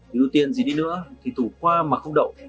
thì ưu tiên gì đi nữa thì thủ khoa mà không đậu